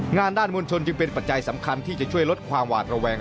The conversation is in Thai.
งานด้านมวลชนจึงเป็นปัจจัยสำคัญที่จะช่วยลดความหวาดระแวง